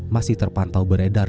masih terpantau beredar